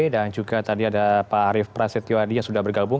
dan juga tadi ada pak arief prasetyoadi yang sudah bergabung